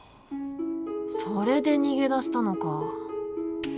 それで逃げ出したのか。